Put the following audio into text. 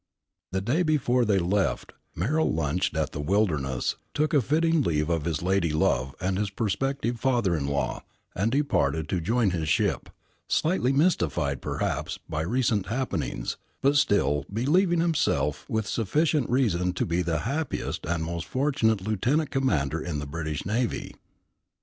The day before they left, Merrill lunched at "The Wilderness," took a fitting leave of his lady love and his prospective father in law, and departed to join his ship, slightly mystified, perhaps, by recent happenings, but still believing himself with sufficient reason to be the happiest and most fortunate Lieutenant Commander in the British Navy.